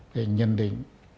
để nhận định